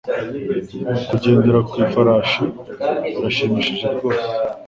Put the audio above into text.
Kugendera ku ifarashi birashimishije rwose.